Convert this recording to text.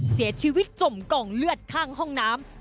เสียชีวิตจมกล่องเลือดข้างห้องน้ำ